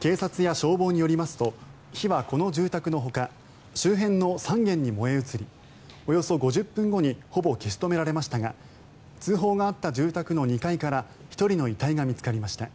警察や消防によりますと火はこの住宅のほか周辺の３軒に燃え移りおよそ５０分後にほぼ消し止められましたが通報があった住宅の２階から１人の遺体が見つかりました。